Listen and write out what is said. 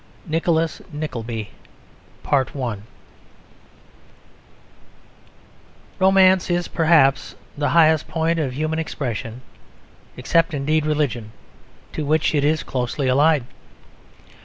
NICHOLAS NICKLEBY Romance is perhaps the highest point of human expression, except indeed religion, to which it is closely allied.